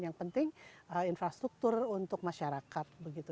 yang penting infrastruktur untuk masyarakat begitu